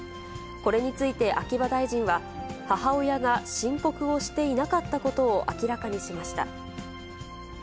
これについて秋葉大臣は、母親が申告をしていなかったことを明らかにしました。